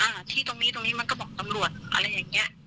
ที่ตรงนี้ตรงนี้มันก็บอกตำรวจอะไรอย่างเงี้ย